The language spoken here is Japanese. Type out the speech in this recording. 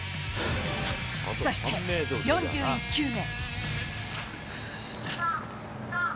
そして、４１球目。